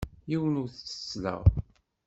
Yiwen ur t-ttettleɣ.